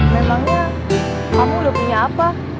memangnya kamu udah punya apa